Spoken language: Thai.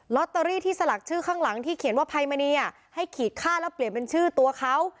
ตเตอรี่ที่สลักชื่อข้างหลังที่เขียนว่าภัยมณีให้ขีดค่าแล้วเปลี่ยนเป็นชื่อตัวเขา